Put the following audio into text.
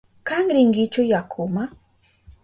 ¿Kan rinkichu yakuma?